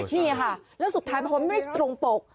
นี่ค่ะแล้วสุดท้ายเพราะว่ามันไม่ได้ตรงปก